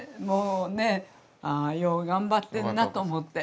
ああよう頑張ってんなと思って。